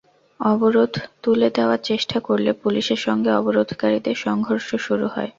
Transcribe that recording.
অবরোধ তুলে দেওয়ার চেষ্টা করলে পুলিশের সঙ্গে অবরোধকারীদের সংঘর্ষ শুরু হয়।